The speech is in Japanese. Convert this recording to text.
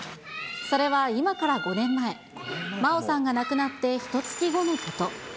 それは今から５年前、麻央さんが亡くなって、ひとつき後のこと。